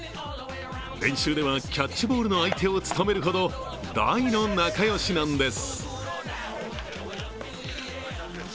練習ではキャッチボールの相手を務めるほど大の仲よしなんです。